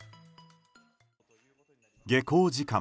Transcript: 下校時間。